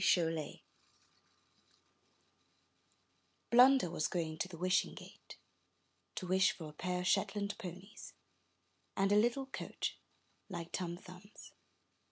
Chollet Blunder was going to the Wishing Gate to wish for a pair of Shetland Ponies and a little coach, like Tom Thumb's.